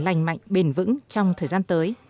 lành mạnh bền vững trong thời gian tới